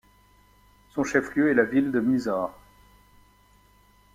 Son chef-lieu est la ville de Mysore.